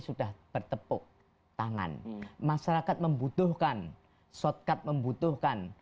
sudah bertepuk tangan masyarakat membutuhkan shortcut membutuhkan